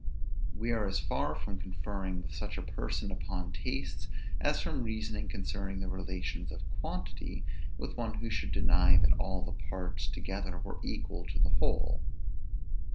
We are as far from conferring with such a person upon tastes, as from reasoning concerning the relations of quantity with one who should deny that all the parts together were equal to the whole.